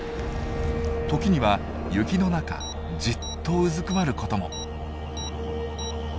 時には雪の中じっとうずくまることも。